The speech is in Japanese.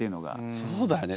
そうだよね。